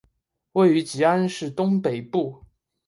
位于吉安市东北部。